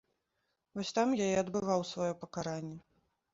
Вось там я і адбываў сваё пакаранне.